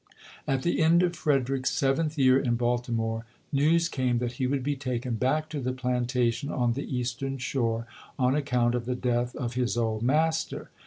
At the end of Frederick's seventh year in Bal timore, news came that he would be taken back to the plantation on the Eastern Shore on account of the death of his old master.